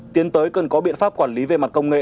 tiến tới cần có biện pháp quản lý về mặt công nghệ